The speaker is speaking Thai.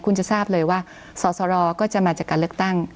คุณจะทราบเลยว่าสอสรก็จะมาจากการเลือกตั้ง